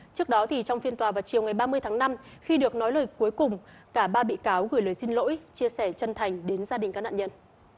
trước đó trong phiên tòa vào chiều ngày ba mươi tháng năm khi được nói lời cuối cùng cả ba bị cáo gửi lời xin lỗi chia sẻ chân thành đến gia đình các nạn nhân